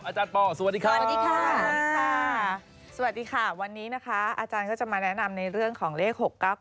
อาจารย์ป่อสวัสดีค่ะสวัสดีค่ะวันนี้นะคะอาจารย์ก็จะมาแนะนำในเรื่องของเลข๖๙๙๖